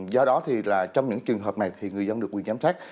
do đó thì là trong những trường hợp này thì người dân được quyền giám sát